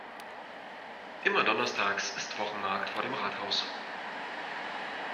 Immer donnerstags ist Wochenmarkt vor dem Rathaus.